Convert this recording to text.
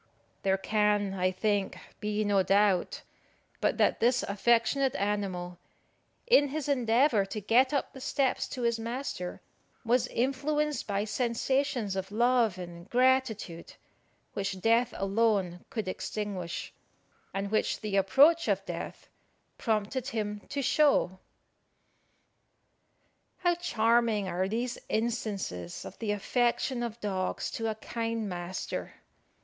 There can, I think, be no doubt but that this affectionate animal, in his endeavour to get up the steps to his master, was influenced by sensations of love and gratitude, which death alone could extinguish, and which the approach of death prompted him to show. How charming are these instances of the affection of dogs to a kind master!